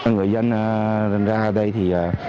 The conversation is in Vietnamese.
người dân ra đây thì